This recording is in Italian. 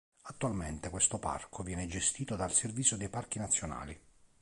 Attualmente questo parco viene gestito dal Servizio dei Parchi nazionali.